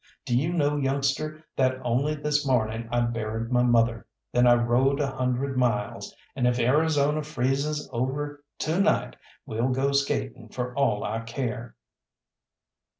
"Do you know, youngster, that only this morning I buried my mother, then I rode a hundred miles, and if Arizona freezes over to night we'll go skating for all I care."